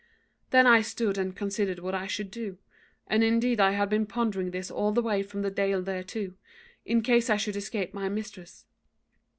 "Then I stood and considered what I should do, and indeed I had been pondering this all the way from the Dale thereto, in case I should escape my mistress.